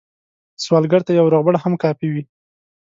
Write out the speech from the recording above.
سوالګر ته یو روغبړ هم کافي وي